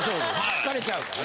疲れちゃうからね。